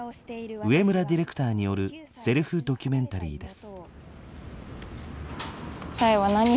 植村ディレクターによるセルフドキュメンタリーです。